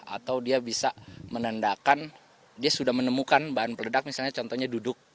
atau dia bisa menandakan dia sudah menemukan bahan peledak misalnya contohnya duduk